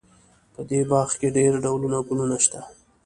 په دې باغ کې ډېر ډولونه ګلونه شته